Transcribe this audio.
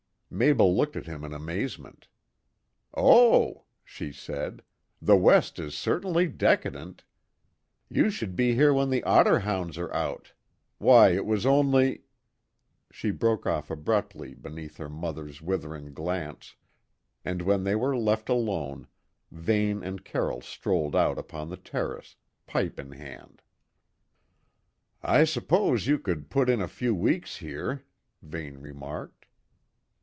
Mabel looked at him in amazement. "Oh!" she said, "the West is certainly decadent. You should be here when the otter hounds are out. Why, it was only " She broke off abruptly beneath her mother's withering glance, and when they were left alone, Vane and Carroll strolled out upon the terrace, pipe in hand. "I suppose you could put in a few weeks here," Vane remarked.